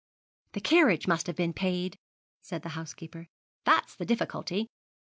'The carriage must have been paid,' said the housekeeper, 'that's the difficulty.